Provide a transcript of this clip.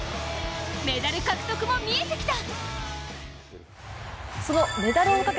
メダル獲得も見えてきた。